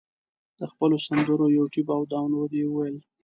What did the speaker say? د خپلو سندرو یوټیوب او دانلود یې وویل.